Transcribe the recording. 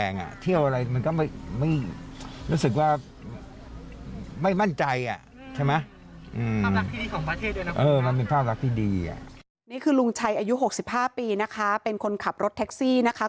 นี่คือลุงชัยอายุ๖๕ปีนะคะเป็นคนขับรถแท็กซี่นะคะ